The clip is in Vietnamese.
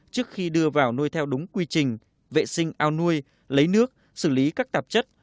trước khi đưa vào nuôi theo đúng quy trình vệ sinh ao nuôi lấy nước xử lý các tạp chất